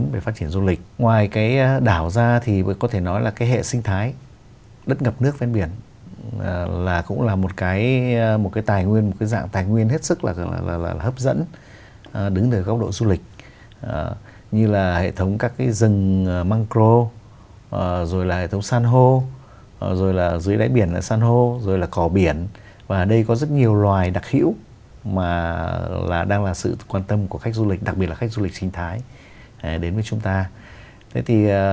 về đảo ra thì có thể nói là hệ sinh thái đất ngập nước bên biển cũng là một cái tài nguyên một cái dạng tài nguyên hết sức là hấp dẫn đứng từ góc độ du lịch như là hệ thống các cái rừng mangro rồi là hệ thống san hô rồi là dưới đáy biển là san hô rồi là cỏ biển và ở đây có rất nhiều loài đặc hữu mà đang là sự quan tâm của khách du lịch đặc biệt là khách du lịch sinh thái